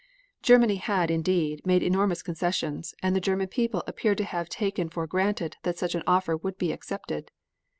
Germany had, indeed, made enormous concessions, and the German people appeared to have taken for granted that such an offer would be accepted.